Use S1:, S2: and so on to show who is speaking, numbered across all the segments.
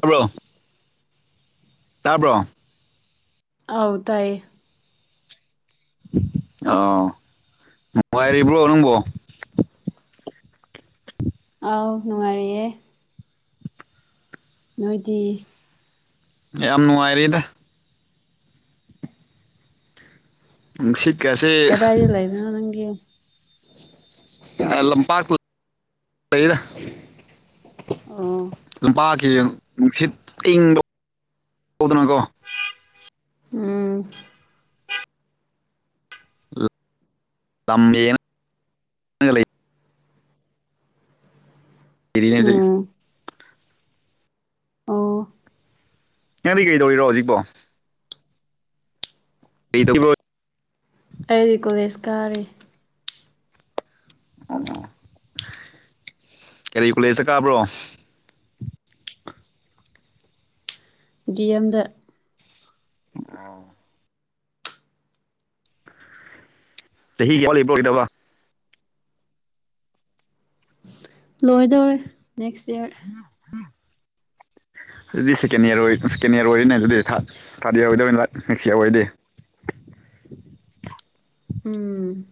S1: ꯇꯥꯕ꯭ꯔꯣ ꯇꯥꯕ꯭ꯔꯣ
S2: ꯑꯥꯎ ꯇꯥꯏꯌꯦ
S1: ꯑꯧ ꯅꯨꯡꯉꯥꯏꯔꯤꯕ꯭ꯔꯣ ꯅꯪꯕꯣ
S2: ꯑꯧ ꯅꯨꯡꯉꯥꯏꯔꯤꯌꯦ ꯅꯣꯏꯗꯤ
S1: ꯌꯥꯝ ꯅꯨꯡꯉꯥꯏꯔꯤꯗ ꯅꯨꯡꯁꯤꯠ ꯀꯥꯁꯦ
S2: ꯂꯩꯗꯅꯥ ꯅꯪꯗ
S1: [unintelligible] ꯂꯝꯄꯥꯛꯇꯨ [unintelligible]
S2: ꯑꯣ
S1: ꯂꯄꯥꯛꯀꯤ ꯅꯨꯡꯁꯤꯠ ꯑꯏꯪꯕ [unintelligible] ꯀꯣ
S2: ꯎꯝ
S1: ꯇꯝꯃꯦ [unintelligible]
S2: ꯎꯝ ꯑꯣ
S1: ꯅꯪꯗꯤ ꯀꯩꯗꯧꯔꯤꯔꯣ ꯍꯧꯖꯤꯛꯄꯣ [unintelligible]
S2: ꯑꯩꯗꯤ ꯀꯣꯂꯦꯖ ꯀꯥꯔꯤ
S1: ꯀꯔꯤ ꯀꯨꯂꯦꯖꯇ ꯀꯥꯕ꯭ꯔꯣ
S2: ꯗꯤ ꯑꯦꯝꯗ
S1: ꯑꯝ [unintelligible]
S2: ꯂꯣꯏꯗꯧꯔꯦ ꯅꯦꯛꯁ ꯏꯌꯥꯔ
S1: ꯑꯗꯨꯗꯤ ꯁꯦꯀꯦꯟ ꯏꯌꯔ ꯑꯣꯏ ꯁꯦꯀꯦꯟ ꯏꯌꯔ ꯑꯣꯏꯔꯤꯅꯦ ꯑꯗꯨꯗꯤ ꯊꯥ ꯊꯥꯔꯗ ꯏꯌꯔ ꯑꯣꯏꯗꯣꯏ ꯂꯥꯏꯛ ꯅꯦꯛꯁ ꯏꯌꯔ ꯑꯣꯏꯔꯗꯤ
S2: ꯎꯝ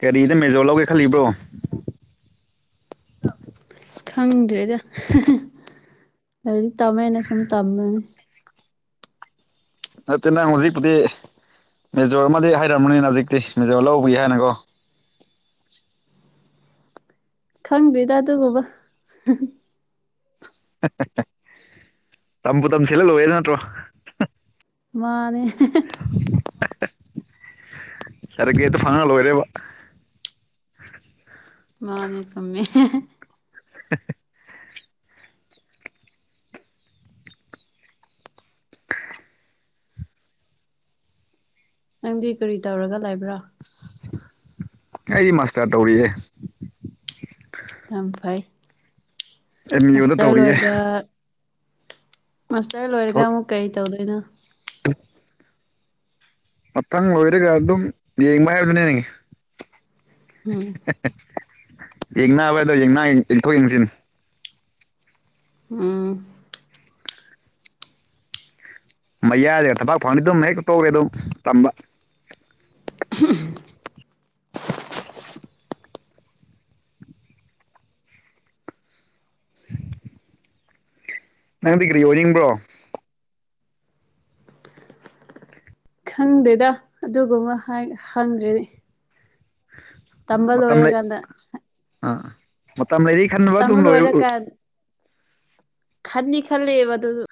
S1: ꯀꯔꯤꯗ ꯃꯦꯖꯣꯔ ꯂꯧꯒꯦ ꯈꯜꯂꯤꯕ꯭ꯔꯣ
S2: ꯈꯪꯗ꯭ꯔꯦꯗ [unintelligible] ꯂꯩꯔꯤꯛ ꯇꯝꯃꯦꯅ ꯁꯨꯝ ꯇꯝꯕꯅꯤ
S1: ꯅꯠꯇꯦ ꯅꯪ ꯍꯧꯖꯤꯛꯄꯨꯗꯤ ꯃꯦꯖꯣꯔ ꯑꯃꯗꯤ ꯍꯥꯏꯔꯝꯕꯅꯤꯅ ꯍꯧꯖꯤꯛꯇꯤ ꯃꯦꯖꯣꯔ ꯂꯧꯕꯒꯤ ꯍꯥꯏꯅꯀꯣ
S2: ꯈꯪꯗ꯭ꯔꯤꯗ ꯗꯨꯕꯨꯕꯥ [unintelligible]
S1: [unintelligible] ꯇꯝꯕꯨ ꯇꯁꯤꯜꯂꯥ ꯂꯣꯏꯔꯦ ꯅꯠꯇ꯭ꯔꯣ
S2: ꯃꯥꯅꯦ
S1: ꯁꯔꯗꯤꯚꯤꯒꯦꯗ ꯐꯪꯉꯒ ꯂꯣꯏꯔꯦꯕꯣ
S2: ꯃꯥꯅꯦ ꯆꯨꯝꯃꯦ ꯅꯪꯗꯤ ꯀꯔꯤ ꯇꯧꯔꯒ ꯂꯩꯕ꯭ꯔꯥ
S1: ꯑꯩ ꯃꯥꯁꯇꯔ ꯇꯧꯔꯤꯌꯦ
S2: ꯌꯥꯝ ꯐꯩ
S1: ꯑꯦꯝ ꯌꯨꯗ
S2: ꯃꯁꯇꯔ
S1: ꯇꯧꯔꯤꯌꯦ
S2: ꯂꯣꯏꯔꯒ ꯃꯥꯁꯇꯔ ꯂꯣꯏꯔꯒ ꯑꯃꯨꯛ ꯀꯔꯤ ꯇꯧꯗꯣꯏꯅꯣ
S1: [inaudible] ꯃꯊꯪ ꯂꯣꯏꯔꯒ ꯑꯗꯨꯝ ꯌꯦꯡꯕ ꯍꯥꯏꯕꯗꯨꯅꯦ ꯅ
S2: ꯎꯝ
S1: [unintelligible]
S2: ꯎꯝ
S1: ꯃꯌꯥꯗꯒ ꯊꯕꯥꯛ ꯐꯪꯉꯗꯤ ꯑꯗꯨꯝ ꯍꯦꯛꯇ ꯇꯣꯛꯒꯔꯦ ꯑꯗꯨ ꯇꯝꯕ
S2: ꯑꯝꯍꯍꯝ
S1: [inaudible] ꯅꯪꯗꯤ ꯒꯔꯤ ꯑꯣꯏꯅꯤꯡꯕ꯭ꯔꯣ
S2: ꯈꯪꯗꯦꯗ ꯑꯗꯨꯒꯨꯝꯕ ꯍꯥꯏ ꯍꯪꯗ꯭ꯔꯦꯅꯤ
S1: ꯑꯝ ꯃꯇꯝ ꯂꯩ
S2: ꯂꯣꯏꯔꯀꯥꯟꯗ
S1: ꯑꯥ ꯃꯇꯝ ꯂꯩꯔꯤ ꯈꯟꯅꯕ
S2: ꯇꯝꯕ
S1: ꯑꯗꯨꯝ ꯂꯣꯏꯌꯨ
S2: ꯈꯟꯅꯤ ꯈꯜꯂꯤꯕ ꯑꯗꯨꯒ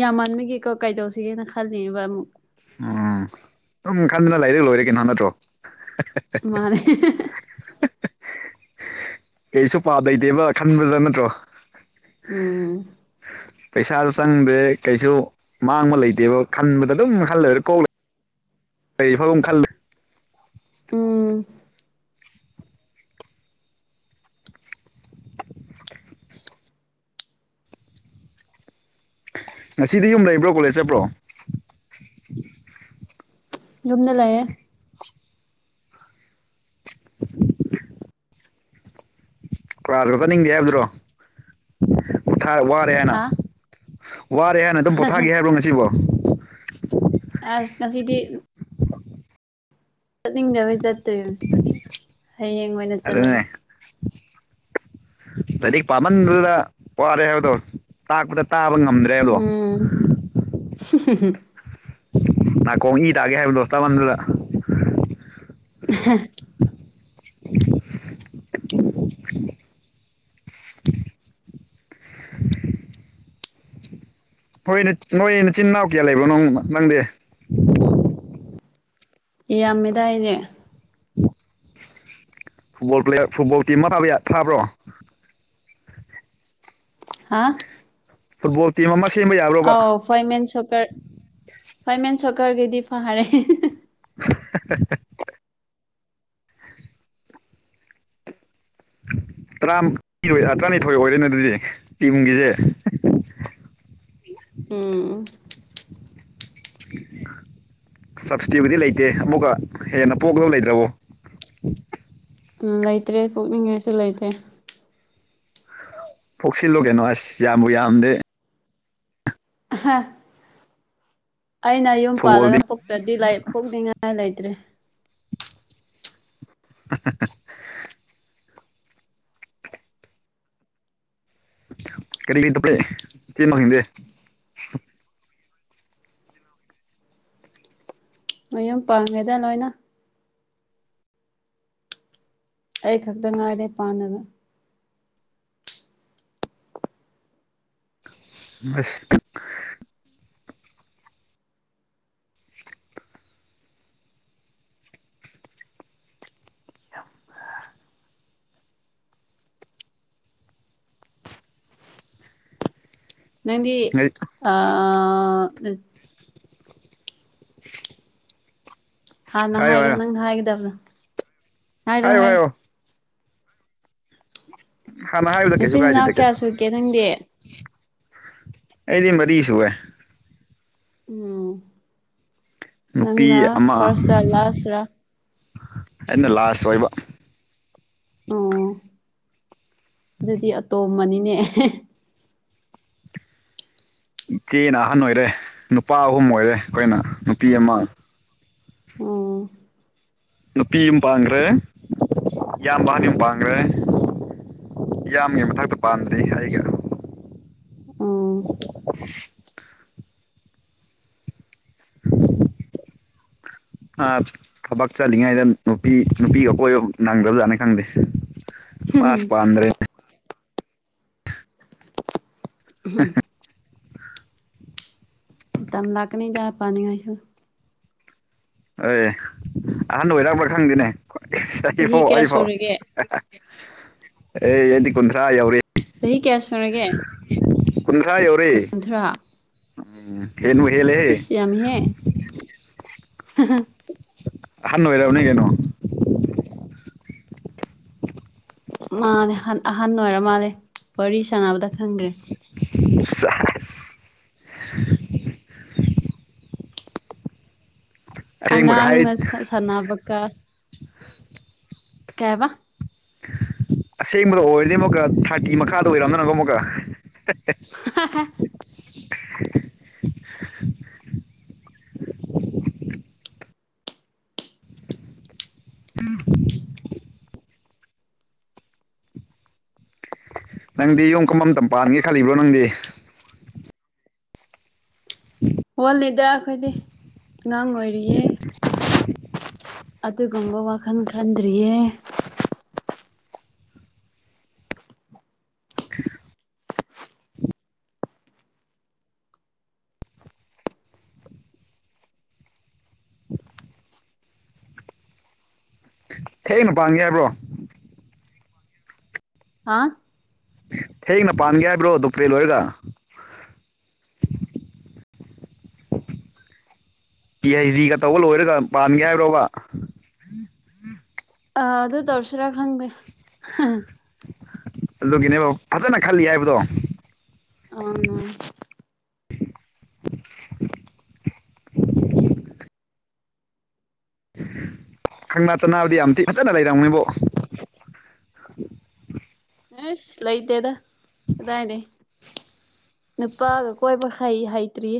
S2: ꯌꯥꯃꯟꯕꯒꯤꯀꯣ ꯀꯩꯗꯧꯁꯤꯒꯦꯅ ꯈꯜꯂꯤꯕ ꯑꯃꯨꯛ
S1: ꯎꯝ ꯑꯝ ꯈꯟꯗꯅ ꯂꯩꯔ ꯂꯣꯏꯔꯦ ꯀꯅꯣ ꯅꯠꯇ꯭ꯔꯣ
S2: ꯃꯥꯅꯦ ꯍꯦꯍꯦꯍꯦ
S1: ꯀꯩꯁꯨ ꯄꯥꯞ ꯂꯩꯗꯦꯕ ꯈꯟꯕꯗ ꯅꯠꯇ꯭ꯔꯣ
S2: ꯎꯝ
S1: ꯄꯩꯁꯥꯖꯨ ꯆꯪꯗꯦ ꯀꯩꯁꯨ ꯃꯥꯡꯕ ꯂꯩꯇꯦꯕ ꯈꯟꯕꯗ ꯑꯗꯨꯝ ꯃꯈꯜꯂꯩꯔ ꯀꯣꯛꯂ [unintelligible]
S2: ꯎꯝ
S1: [unintelligible] ꯉꯁꯤꯗꯤ ꯌꯨꯝ ꯂꯩꯕ꯭ꯔꯣ ꯀꯣꯂꯦꯖ ꯆꯠꯄ꯭ꯔꯣ
S2: ꯌꯨꯝꯗ ꯂꯩꯔꯦ
S1: ꯀ꯭ꯂꯥꯁꯀ ꯆꯠꯅꯤꯡꯗꯦ ꯍꯥꯏꯕꯗꯨꯔꯣ ꯋꯥꯔꯦ ꯍꯥꯏꯅ
S2: ꯍꯥ
S1: ꯋꯥꯔꯦ ꯍꯥꯏꯅ ꯑꯗꯨꯝ ꯄꯣꯊꯥꯒꯦ ꯍꯥꯏꯕꯔꯣ ꯉꯁꯤꯕꯣ
S2: ꯑꯁ ꯉꯁꯤꯗꯤ ꯆꯠꯅꯤꯡꯗꯕꯩ ꯆꯠꯇ꯭ꯔꯤꯅꯤ ꯍꯌꯦꯡ ꯑꯣꯏꯅ ꯆꯠꯂꯒꯦ
S1: ꯑꯗꯨꯅꯦ ꯂꯥꯏꯔꯤꯛ ꯄꯥꯃꯟꯕꯗꯨꯗ ꯋꯥꯔꯦ ꯍꯥꯏꯕꯗꯣ ꯇꯥꯛꯄꯗ ꯇꯥꯕ ꯉꯝꯃꯦ
S2: ꯎꯝ
S1: ꯅꯥꯀꯣꯡ ꯏ ꯇꯥꯒꯦ ꯍꯥꯏꯕꯗꯣ ꯇꯥꯃꯟꯗꯅ
S2: ꯑꯍꯥ
S1: [unintelligible] ꯍꯣꯏꯅꯦ ꯅꯣꯏ ꯅꯆꯤꯟ ꯏꯅꯥꯎ ꯀꯌꯥ ꯂꯩꯕꯣ ꯅ ꯅꯪꯗꯦ
S2: ꯌꯥꯝꯃꯦꯗꯥꯏꯅꯦ
S1: ꯐꯨꯠꯕꯣꯜ ꯄ꯭ꯂꯦꯌꯥꯔ ꯐꯨꯠꯕꯣꯜ ꯇꯤꯝ ꯑꯃ ꯄꯕꯦꯌ ꯊꯥꯕ꯭ꯔꯣ
S2: ꯍꯥꯥ
S1: ꯐꯨꯠꯕꯣꯜ ꯇꯤꯝ ꯑꯃ ꯁꯦꯝꯕ ꯌꯥꯕ꯭ꯔꯣꯕ
S2: ꯐꯣꯏ ꯃꯦꯟ ꯁꯣꯀꯔ ꯐꯣꯏ ꯃꯦꯟ ꯁꯣꯀꯔꯒꯤꯗꯤ ꯐꯔꯦ
S1: ꯍꯥ ꯍꯥ ꯍꯥ ꯍꯥ ꯇꯔꯥ ꯇꯔꯥꯅꯤꯊꯣꯏ ꯑꯣꯏꯔꯦꯅꯦ ꯑꯗꯨꯗꯤ ꯇꯤꯝꯒꯤꯁꯦ
S2: ꯎꯝ
S1: ꯁꯞꯁꯇꯤꯕꯨꯗꯤ ꯂꯩꯇꯦ ꯑꯃꯨꯛꯀ ꯍꯦꯟꯅ ꯄꯣꯛꯂ ꯂꯩꯇ꯭ꯔꯕꯣ
S2: ꯂꯩꯇ꯭ꯔꯦ ꯀꯣꯛꯅꯤꯡꯉꯥꯏꯁꯨ ꯂꯩꯇ꯭ꯔꯦ
S1: ꯄꯣꯛꯁꯤꯜꯂꯣ ꯀꯩꯅꯣ ꯑꯁ ꯌꯥꯝꯕꯨ ꯌꯥꯝꯗꯦ
S2: ꯍꯥ ꯑꯩꯅ ꯌꯨꯝ ꯄꯥꯜꯂꯒ
S1: ꯐꯨꯠꯕꯣꯜꯗꯤ
S2: ꯄꯣꯛꯇ꯭ꯔꯗꯤ ꯂꯩ ꯄꯣꯛꯅꯤꯡꯉꯥꯏ ꯂꯩꯇ꯭ꯔꯦ
S1: [inaudible] [unintelligible]
S2: ꯃꯌꯨꯝ ꯄꯥꯜꯂꯦꯗ ꯂꯣꯏꯅ ꯑꯩ ꯈꯛꯇ ꯉꯥꯏꯔꯦ ꯄꯥꯟꯅꯕ
S1: [unintelligible]
S2: ꯅꯪꯗꯤ ꯑꯥ
S1: [inaudible]
S2: ꯍꯥꯟꯅ
S1: ꯍꯥꯏꯌꯣ
S2: ꯍꯥꯏꯔꯣ
S1: ꯍꯥꯏꯌꯣ
S2: ꯅꯪꯅ ꯍꯥꯏꯒꯗꯕꯗꯣ ꯍꯥꯏꯔꯣ
S1: ꯍꯥꯏꯌꯣ
S2: ꯍꯥꯏꯔꯣ
S1: ꯍꯥꯏꯌꯣ ꯍꯥꯟꯅ ꯍꯥꯏꯌꯨꯗ ꯀꯩꯁꯨ
S2: ꯅꯆꯤꯟ ꯅꯅꯥꯎ
S1: ꯀꯥꯏꯗꯦꯗ ꯀꯩꯟ
S2: ꯀꯌꯥ ꯁꯨꯒꯦ ꯅꯪꯗꯤ
S1: ꯑꯩꯗꯤ ꯃꯔꯤ ꯁꯨꯨꯢꯌꯦ
S2: ꯎꯝ ꯅꯪꯅ
S1: ꯅꯨꯄꯤ ꯑꯃ
S2: ꯐ꯭ꯥꯔꯁ ꯔ ꯂꯥꯁ ꯔ
S1: ꯑꯩꯅ ꯂꯥꯁ ꯑꯣꯏꯕ
S2: ꯑꯣ ꯑꯗꯨꯗꯤ ꯑꯇꯣꯝꯕꯅꯤꯅꯦ
S1: ꯏꯆꯦꯅ ꯑꯍꯟ ꯑꯣꯏꯔꯦ ꯅꯨꯄꯥ ꯑꯍꯨꯝ ꯑꯣꯏꯔꯦ ꯑꯈꯣꯏꯅ ꯅꯨꯄꯤ ꯑꯃ
S2: ꯑꯣ
S1: ꯅꯨꯄꯤ ꯑꯃ ꯄꯥꯟꯈ꯭ꯔꯦ ꯏꯌꯥꯝꯕ ꯑꯍꯥꯟ ꯄꯥꯟꯈ꯭ꯔꯦ ꯏꯌꯥꯝꯕꯒꯤ ꯃꯊꯛꯇ ꯄꯥꯟꯗ꯭ꯔꯤ ꯑꯩꯒ
S2: ꯑꯣ
S1: [unintelligible] ꯑ ꯊꯕꯛ ꯆꯠꯂꯤꯉꯩꯗ ꯅꯨꯄꯤ ꯅꯨꯄꯤꯒ ꯀꯣꯏꯕ ꯅꯪꯗꯕꯖꯥꯠꯅꯤ ꯈꯪꯗꯦ ꯄꯥꯁꯨ ꯄꯥꯝꯗ꯭ꯔꯦ
S2: ꯎꯍꯝ ꯃꯇꯝ ꯂꯥꯛꯀꯅꯤꯗ ꯄꯥꯅꯤꯉꯥꯏꯁꯨ
S1: ꯑꯦ ꯑꯍꯥꯟꯕ ꯑꯣꯏꯔꯕ ꯈꯪꯗꯦꯅꯦ ꯏꯁ
S2: ꯆꯍꯤ
S1: ꯑꯩꯐꯥꯎ
S2: ꯀꯌꯥ
S1: ꯑꯩꯐꯥꯎ
S2: ꯁꯨꯔꯒꯦ
S1: ꯑꯦ ꯑꯩꯗꯤ ꯀꯨꯟꯊ꯭ꯔꯥ ꯌꯧꯔꯦ
S2: ꯆꯍꯤ ꯀꯥꯌꯥ ꯁꯨꯔꯒꯦ
S1: ꯀꯨꯟꯊ꯭ꯔꯥ ꯌꯧꯔꯦ
S2: ꯀꯨꯟꯊ꯭ꯔꯥ
S1: ꯎꯝ ꯍꯦꯟꯕꯨ ꯍꯦꯜꯂꯦꯍꯦ
S2: ꯏꯁ ꯍꯝ ꯍꯝ
S1: ꯑꯍꯟ ꯑꯣꯏꯔꯕꯅꯤ ꯀꯩꯅꯣ
S2: ꯃꯥꯅꯦ ꯍꯟ ꯑꯍꯟ ꯑꯣꯏꯔ ꯃꯥꯜꯂꯦ ꯋꯥꯔꯤ ꯁꯥꯟꯅꯕꯗ ꯈꯪꯒꯔꯦ
S1: ꯁꯦꯁ
S2: [unintelligible]
S1: ꯑꯁꯦꯡꯕꯒ ꯍꯥꯏ
S2: ꯑꯉꯥꯡꯅ ꯁꯥꯟꯅꯕꯀ ꯀꯩ ꯍꯥꯢꯕ
S1: ꯑꯁꯦꯡꯕꯗ ꯑꯣꯏꯔꯗꯤ ꯑꯃꯨꯛꯀ ꯊꯥꯔꯇꯤ ꯃꯈꯥꯗ ꯑꯣꯏꯔꯝꯗꯅꯀꯣ ꯑꯃꯨꯛꯀ
S2: ꯍꯥꯍꯥ
S1: [unintelligible] ꯅꯪꯗꯤ ꯌꯨꯝ ꯀꯝꯕ ꯃꯇꯝ ꯄꯥꯟꯒꯦ ꯈꯜꯂꯤꯕ꯭ꯔꯣ ꯅꯪꯗꯤ [unintelligible]
S2: ꯋꯥꯠꯂꯤꯗ ꯑꯩꯈꯣꯏꯗꯤ ꯑꯉꯥꯡ ꯑꯣꯏꯔꯤꯌꯦ꯫ ꯑꯗꯨꯒꯨꯝꯕ ꯋꯥꯈꯜ ꯈꯟꯗ꯭ꯔꯤꯌꯦ
S1: [inaudible] ꯊꯦꯡꯅ ꯄꯥꯟꯒꯦ ꯍꯥꯏꯕ꯭ꯔꯣ
S2: ꯍꯥꯥ꯫
S1: ꯊꯦꯡꯅ ꯄꯥꯟꯒꯦ ꯍꯥꯏꯕ꯭ꯔꯣ ꯗꯣꯛꯇ꯭ꯔꯦꯠ ꯂꯣꯏꯔꯒ꯫ ꯄꯤ ꯑꯩꯩꯆ ꯗꯤꯒ ꯇꯧꯕ ꯂꯣꯏꯔꯒ ꯄꯥꯟꯒꯦ ꯍꯥꯏꯕ꯭ꯔꯣꯕ
S2: ꯑ ꯑꯗꯨ ꯇꯧꯔꯁꯤꯔꯥ ꯈꯪꯗꯦ꯫
S1: ꯑꯗꯨꯒꯤꯅꯦꯕ ꯐꯖꯅ ꯈꯜꯂꯤ ꯍꯥꯏꯕꯗꯣ꯫
S2: ꯑꯪ
S1: ꯈꯪꯅꯥ ꯆꯅꯥꯕꯨꯗꯤ ꯌꯥꯝ ꯊꯤ ꯐꯖꯅ ꯂꯩꯔꯝꯅꯤꯕꯣ
S2: [unintelligible] ꯑꯁ ꯂꯩꯗꯦꯗ ꯀꯗꯥꯏꯗꯩꯩ꯫ ꯅꯨꯄꯥꯒ ꯀꯣꯏꯕ ꯍꯩ ꯍꯩꯇ꯭ꯔꯤ꯫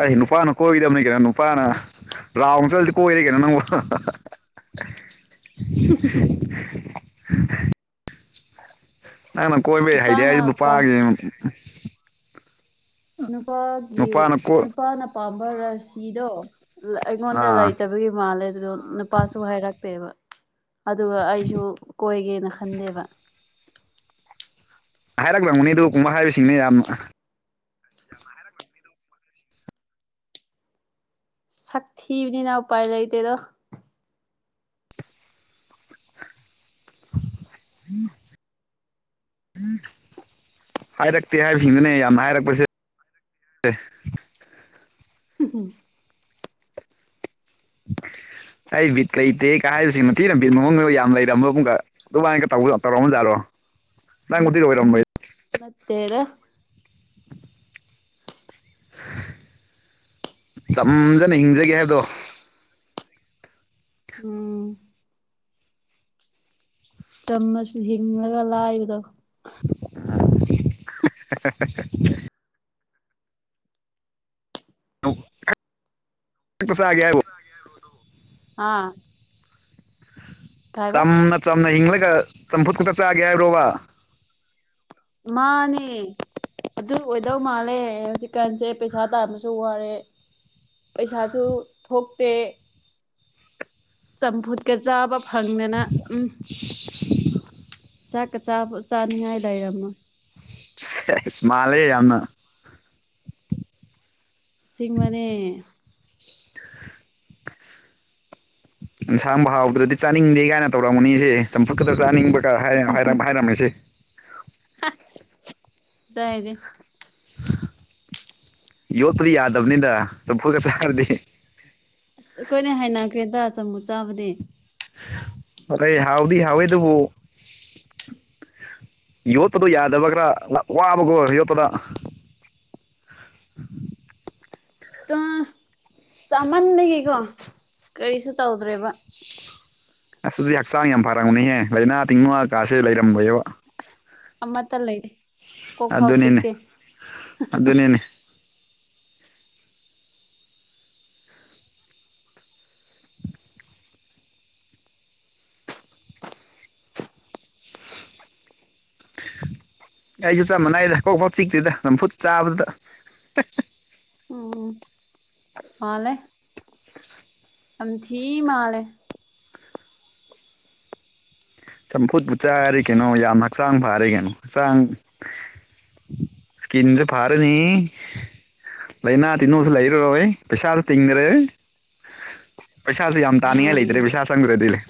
S1: ꯑꯩ ꯅꯨꯄꯥꯅ ꯀꯣꯏꯒꯗꯕꯅꯤ ꯀꯩꯅ ꯅꯨꯄꯥꯅ꯫ ꯔꯥꯎꯟ ꯆꯠꯂꯗꯤ ꯀꯣꯏꯔꯦ ꯀꯩꯅꯣ ꯅꯪꯕꯨ꯫
S2: ꯍꯝ ꯍꯝ ꯍꯝ
S1: ꯅꯪꯅ ꯀꯣꯏꯕꯩ ꯍꯥꯏꯗꯤ
S2: ꯅꯨꯄꯥꯅ
S1: ꯑꯩ ꯅꯨꯄꯥ
S2: ꯄꯥꯝ
S1: ꯌꯦꯡ
S2: ꯅꯨꯄꯥꯒꯤ ꯅꯨꯄꯥꯅ ꯄꯥꯝꯕ ꯔꯥꯁꯤꯗꯣ꯫ ꯑꯩꯉꯣꯟꯗ
S1: ꯑꯥ
S2: ꯂꯩꯇꯕꯒꯤ ꯃꯥꯜꯂꯦ ꯑꯗꯨꯗꯣ ꯅꯨꯄꯥꯁꯨ ꯍꯥꯏꯔꯛꯇꯦꯕ ꯑꯗꯨꯒ ꯑꯩꯁꯨ ꯀꯣꯏꯒꯦꯅ ꯈꯟꯗꯦꯕ꯫
S1: ꯍꯥꯏꯔꯛꯂꯝꯒꯅꯤ ꯑꯗꯨ ꯀꯨꯝꯕ ꯍꯥꯏꯕꯁꯤꯡꯅꯦ ꯌꯥꯝꯅ
S2: ꯑꯁ ꯌꯥꯝ ꯍꯥꯢꯔꯛꯂꯝꯅꯤꯗ ꯑꯗꯨꯒꯨꯝꯕ ꯁꯊꯤꯅꯤꯅ ꯎꯄꯥꯏ ꯂꯩꯇꯗꯣ
S1: ꯎꯝ ꯍꯥꯏꯔꯛꯇꯦ ꯍꯥꯏꯕꯁꯤꯡꯅꯅꯦ ꯌꯥꯝꯅ ꯍꯥꯏꯔꯛꯄꯁꯦ
S2: ꯎꯝ [inaudible]
S1: ꯑꯩ ꯕꯤꯠ ꯀꯩꯇꯦ ꯀ ꯍꯥꯏꯕꯁꯤ ꯃꯇꯊꯤꯅ ꯕꯤꯠ ꯃꯑꯣꯡꯗ ꯌꯥꯝ ꯂꯩꯔꯝꯃꯣꯕꯀ ꯑꯗꯨꯃꯥꯏꯟꯒ ꯇꯧ ꯇꯧꯔꯛꯑꯖꯠꯔꯣ ꯅꯪꯕꯨꯗꯤ ꯑꯣꯏꯔꯝꯃꯣꯏꯌꯦ꯫
S2: ꯅꯠꯇꯦꯗ꯫
S1: ꯆꯝꯖꯅ ꯍꯤꯡꯖꯒꯦ ꯍꯥꯏꯕꯗꯣ꯫
S2: ꯎꯝ ꯆꯥꯃꯁ ꯍꯤꯡꯂꯒ ꯂꯥꯏꯕꯗꯣ꯫
S1: [unintelligible] [unintelligible]
S2: ꯑ
S1: ꯆꯝꯅ ꯆꯝꯅ ꯍꯤꯡꯂꯒ ꯆꯝꯐꯨꯠ ꯈꯛꯇ ꯆꯥꯒꯦ ꯍꯥꯏꯕꯔꯣꯕꯥ꯫
S2: ꯃꯥꯅꯦ꯫ ꯑꯗꯨ ꯑꯣꯏꯗꯧ ꯃꯥꯜꯂꯦ ꯍꯧꯆꯤꯛꯀꯟꯁꯦ ꯄꯩꯁꯥ ꯇꯥꯥꯟꯕꯁꯨ ꯋꯥꯔꯦ꯫ ꯄꯩꯁꯥꯁꯨ ꯊꯣꯛꯇꯦ꯫ ꯆꯝꯐꯨꯠꯀ ꯆꯥꯕ ꯐꯪꯗꯅ ꯎꯝ꯫ ꯆꯥꯛꯀ ꯆꯥꯕ ꯆꯥꯅꯤꯡꯉꯥꯏ ꯂꯩꯔꯝꯃꯣꯏ꯫
S1: ꯏꯁ ꯃꯥꯂꯦ ꯌꯥꯝꯅ
S2: ꯁꯤꯡꯕꯅꯦ [inaudible]
S1: ꯏꯟꯁꯥꯡꯕ ꯍꯥꯎꯗꯔ꯭ꯗꯤ ꯆꯥꯅꯤꯡꯗꯦ ꯀꯥꯏꯅ ꯇꯧꯔꯝꯒꯅꯤꯁꯦ ꯆꯝꯐꯨꯠ ꯈꯛꯗ ꯆꯥꯅꯤꯡꯕ꯫ ꯍꯥꯏꯔꯝꯃꯤꯁꯤ
S2: [unintelligible]
S1: ꯌꯣꯠꯄꯗꯤ ꯌꯥꯗꯕꯅꯤꯗ ꯆꯝꯐꯨꯒ ꯁꯥꯔꯗꯤ
S2: ꯑꯁ ꯑꯩꯈꯣꯏꯅ ꯍꯥꯏꯅꯈ꯭ꯔꯦꯗ ꯆꯃꯨ ꯆꯥꯕꯗꯤ꯫
S1: ꯑꯔꯦ ꯍꯥꯎꯗꯤ ꯍꯥꯎꯋꯦꯗꯨꯕꯨ꯫ ꯌꯣꯠꯇꯗꯣ ꯌꯥꯗꯕ ꯈ꯭ꯔꯥ ꯋꯥꯕꯒꯣ ꯌꯣꯠꯇꯗ
S2: ꯑꯥ ꯆꯥꯃꯟꯗꯒꯤꯀꯣ ꯀꯔꯤꯁꯨ ꯇꯧꯗ꯭ꯔꯦꯕ꯫
S1: ꯑꯁꯗꯤ ꯍꯛꯆꯥꯡ ꯌꯥꯝ ꯐꯔꯝꯒꯨꯅꯤꯍꯦ ꯂꯥꯏꯅꯥ ꯇꯤꯡꯅ ꯀꯥꯁꯦ ꯂꯩꯔꯝꯃꯣꯏꯕ꯫
S2: ꯑꯃꯠꯇ ꯂꯩꯔꯦ ꯀꯣꯛ ꯐꯥꯎ
S1: ꯑꯗꯨꯅꯤꯅꯦ
S2: ꯆꯤꯛꯇꯦ꯫
S1: ꯑꯗꯨꯅꯤꯅꯦ ꯑꯩꯁꯨ ꯆꯞ ꯃꯥꯟꯅꯩꯗ ꯀꯣꯛꯐꯥꯎ ꯆꯤꯛꯇꯦꯗ ꯅꯝꯐꯨꯠ ꯆꯥꯕꯗꯨꯗ꯫
S2: ꯎꯝ ꯃꯥꯂꯦ ꯌꯥꯝꯊꯤ ꯃꯥꯂꯦ꯫
S1: ꯆꯝꯐꯨꯠꯄꯨ ꯆꯥꯔꯤ ꯀꯩꯅꯣ ꯌꯥꯝ ꯍꯛꯆꯥꯡ ꯐꯔꯦ ꯀꯩꯅꯣ ꯍꯛꯆꯥꯡ꯫ ꯏꯁꯀꯤꯟꯁꯨ ꯐꯔꯅꯤ꯫ ꯂꯩꯅꯥ ꯇꯤꯅꯣꯁꯨ ꯂꯩꯔꯔꯣꯏ ꯄꯩꯁꯥꯁꯨ ꯇꯤꯡꯗ꯭ꯔꯦ꯫ ꯄꯩꯁꯥꯁꯦ ꯌꯥꯝ ꯇꯥꯅꯤꯡꯉꯥꯏ
S2: ꯎꯝ
S1: ꯂꯩꯇ꯭ꯔꯦ ꯄꯩꯁꯥ ꯆꯪꯗ꯭ꯔꯗꯤ ꯂꯩ꯫